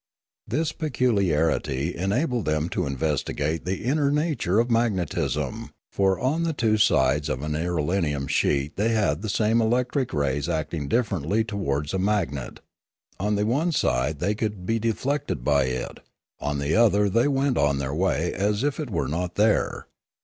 This peculiarity enabled them to investi gate the inner nature of magnetism; for on the two Discoveries 311 sides of an irelium sheet they had the same electric rays acting differently towards a magnet; on the one side they could be deflected by it, on the other they went on their way as if it were not there.